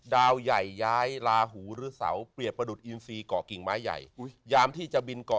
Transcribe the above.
ดาวย่ายย้ายลาหูรื้อเสาเปรียบประดุนอินซีเกาะกิ่งไม้ใหญ่